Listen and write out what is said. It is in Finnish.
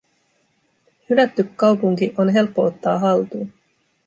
Hylätty kaupunki on helppo ottaa haltuun.